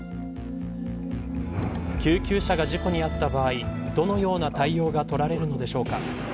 救急車が事故に遭った場合そのような対応が取られるのでしょうか。